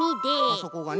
そこがね。